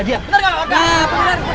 bener gak pak rt